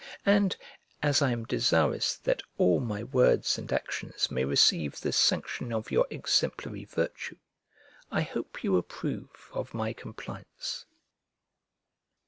And, as I am desirous that all my words and actions may receive the sanction of your exemplary virtue, I hope you approve of my compliance.